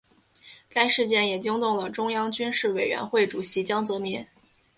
该事件也惊动了中央军事委员会主席江泽民。